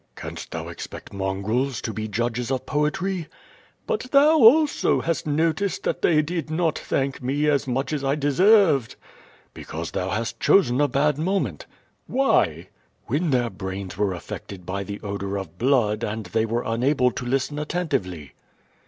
*' "Canst thou expect mongrels to be judges of poetry?'' "But thou also hast noticed that they did not thank me as much BB I deserved." "Because thou hast chosen a bad moment." ^ ^2^ QUO VADrS. "Wlien their brains were aflfected by the odor of blood and they were unable to listen attentively."